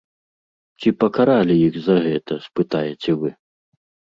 Ці пакаралі іх за гэта, спытаеце вы?